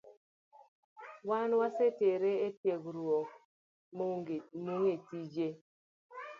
Wan ne wasetere etiegruok mong’e tije